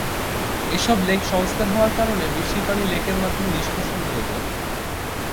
এসব লেক সংস্কার হওয়ার কারণে বৃষ্টির পানি লেকের মাধ্যমে নিষ্কাশন হয়ে যায়।